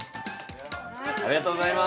ありがとうございます。